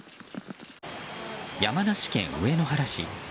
山梨県上野原市。